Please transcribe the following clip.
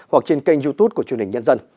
hoặc trên kênh youtube của chương trình nhân dân